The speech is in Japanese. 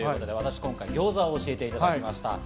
今回ギョーザを教えていただきました。